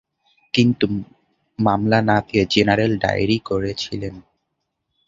কিন্তু মামলা না নিয়ে জেনারেল ডায়েরি করেছিল।